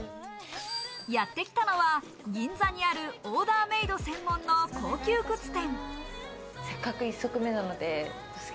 やってきたのは銀座にあるオーダーメイド専門の高級靴店。